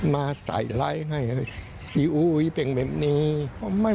มาใส่ไลค์ให้ซีอุยเป็นแบบนี้